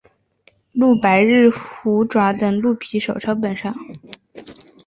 鹿八日虎爪等鹿皮手抄本上。